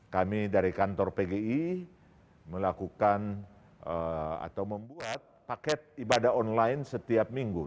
kami dari kantor pgi melakukan atau membuat paket ibadah online setiap minggu